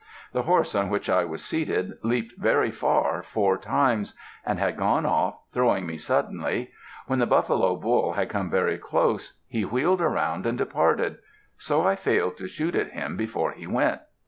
The horse on which I was seated leaped very far four times, and had gone off, throwing me suddenly. When the buffalo bull had come very close, he wheeled around and departed. So I failed to shoot at him before he went.